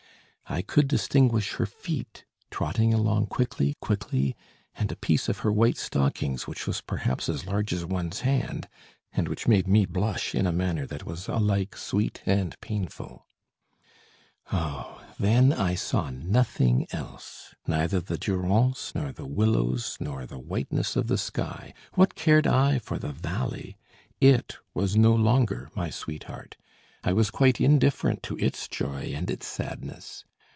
I could distinguish her feet, trotting along quickly, quickly, and a piece of her white stockings, which was perhaps as large as one's hand, and which made me blush in a manner that was alike sweet and painful. Oh! then, I saw nothing else, neither the Durance, nor the willows, nor the whiteness of the sky. What cared I for the valley! It was no longer my sweetheart; I was quite indifferent to its joy and its sadness.